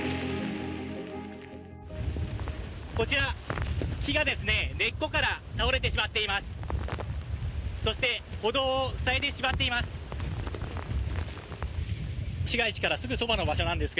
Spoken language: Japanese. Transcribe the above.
こちら、木が根っこから倒れてしまっています。